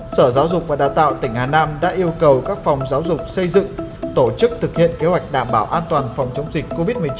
sở giáo dục và đào tạo tỉnh hà nam đã yêu cầu các phòng giáo dục xây dựng tổ chức thực hiện kế hoạch đảm bảo an toàn phòng chống dịch covid một mươi chín